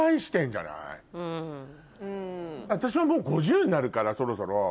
私はもう５０になるからそろそろ。